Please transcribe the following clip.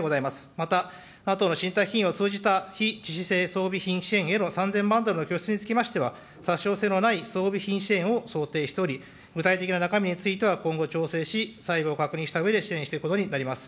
また、ＮＡＴＯのを通じた非致死性装備品支援への３０００万ドルの拠出につきましては、殺傷性のない装備品支援を想定しており、具体的な中身については今後、調整し、確認したうえで支援していくことになります。